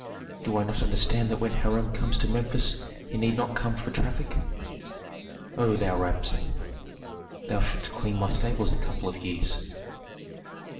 do I not understand that when Hiram comes to Memphis he need not come for traffic? O thou Rabsun! thou shouldst clean my stables a couple of years."